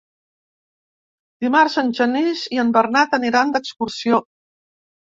Dimarts en Genís i en Bernat aniran d'excursió.